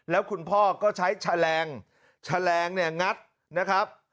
แล้วคุณพ่อก็ใช้แลงเนี่ยงัดนะครับ